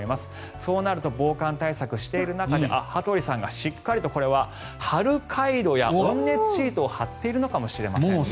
そうなると防寒対策をしている中であ、羽鳥さんがしっかりとこれは貼るカイロや温熱シートを貼っているのかもしれませんね。